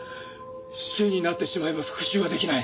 死刑になってしまえば復讐はできない。